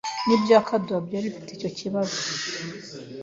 n’ibya Kaduha bari bafite icyo kibazo